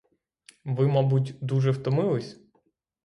Ви, мабуть, дуже втомились?